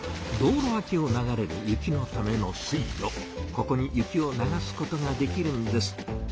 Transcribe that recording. ここに雪を流すことができるんです。